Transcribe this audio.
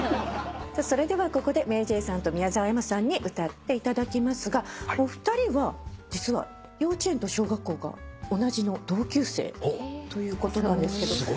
それではここでＭａｙＪ．さんと宮澤エマさんに歌っていただきますがお二人は実は幼稚園と小学校が同じの同級生ということなんですけど。